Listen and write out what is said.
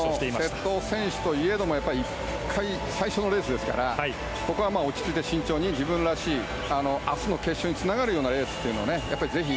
瀬戸選手といえども最初のレースですからここは落ち着いて慎重に自分らしい明日の決勝につながるようなレースを、ぜひ。